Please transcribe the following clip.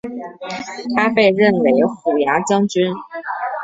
他被任为虎牙将军。